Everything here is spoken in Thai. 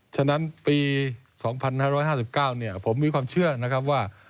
ฉะนั้นปีสองพันห้าร้อยห้าสิบเก้าเนี่ยผมมีความเชื่อนะครับว่า